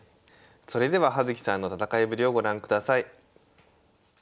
それでは葉月さんの戦いぶりをご覧ください。